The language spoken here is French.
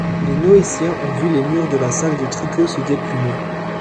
Les Noétiens ont vu les murs de la salle de tricot se déplumer.